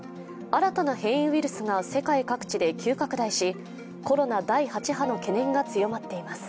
新たな変異ウイルスが世界各地で急拡大し、コロナ第８波の懸念が強まっています。